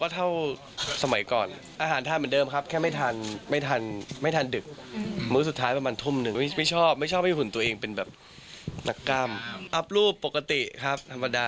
ถ้ามีโอกาสก็คุยครับ